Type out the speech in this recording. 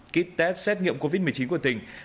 kit test xét nghiệm covid một mươi chín của tỉnh